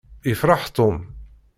Yefṛeḥ Tom.